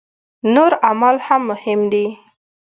نور اعمال هم مهم دي.